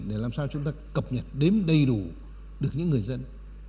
để làm sao chúng ta cập nhật đến đầy đủ được những người dân